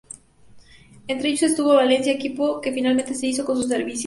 Entre ellos estuvo el Valencia, equipo que finalmente se hizo con sus servicios.